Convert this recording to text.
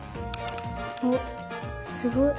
おっすごっ。